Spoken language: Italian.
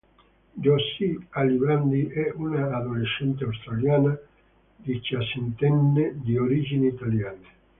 Josie Alibrandi è una adolescente australiana diciassettenne di origini italiane.